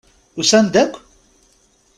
Usan-d akk?